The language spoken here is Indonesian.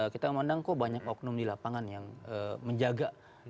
kita memandang kok banyak oknum di lapangan yang menjaga